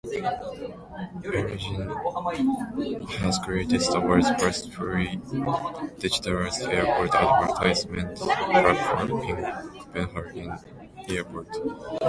Airmagine has created the world's first fully digitalized airport advertisement platform in Copenhagen Airport.